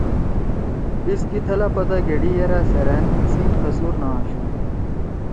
ایسکے تھلہ پتہ گھیڑی یرأ سیرأن سی قصور نہ آشُو۔